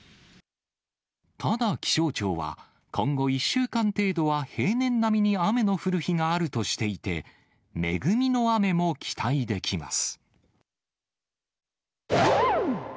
ただ、気象庁は、今後１週間程度は平年並みに雨の降る日があるとしていて、恵みの雨も期待できます。